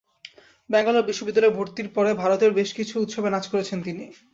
ব্যাঙ্গালোর বিশ্ববিদ্যালয়ে ভর্তির পর ভারতের বেশ কিছু উৎসবে নাচ করেছেন তিনি।